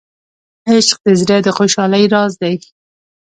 عشق د زړه د خوشحالۍ راز دی.